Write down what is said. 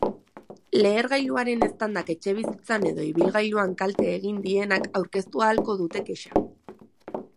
Lehergailuaren eztandak etxebizitzan edo ibilgailuan kalte egin dienak aurkeztu ahalko dute kexa.